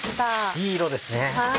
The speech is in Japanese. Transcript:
いい色ですね。